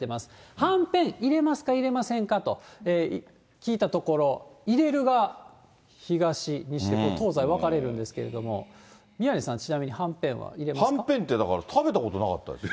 はんぺん入れますか、入れませんかと聞いたところ、入れるが、東、西で、東西分かれるんですけれども、宮根さん、はんぺんって、だから食べたことなかったですよ。